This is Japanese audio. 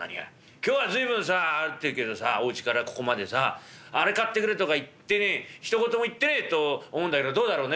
「今日は随分さ歩ってるけどさおうちからここまでさあれ買ってくれとか言ってねえひと言も言ってねえと思うんだけどどうだろね」。